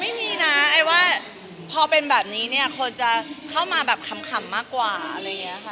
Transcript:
ไม่มีนะไอ้ว่าพอเป็นแบบนี้เนี่ยคนจะเข้ามาแบบขำมากกว่าอะไรอย่างนี้ค่ะ